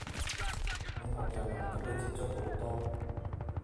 你學日文都會接觸好多